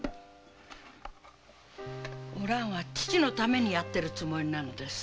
お蘭は父のためにやっているつもりです。